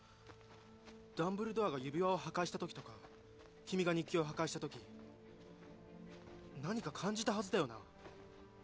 ダンブルドアが指輪を破壊した時とか君が日記を破壊した時何か感じたはずだよな？